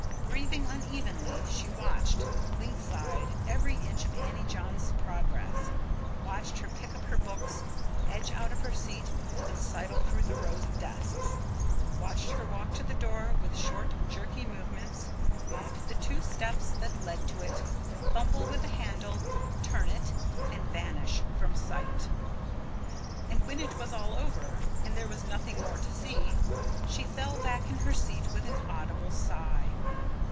Breathing unevenly, she watched, lynx eyed, every inch of Annie Johns' progress: watched her pick up her books, edge out of her seat and sidle through the rows of desks; watched her walk to the door with short jerky movements, mount the two steps that led to it, fumble with the handle, turn it, and vanish from sight; and when it was all over, and there was nothing more to see, she fell back in her seat with an audible sigh.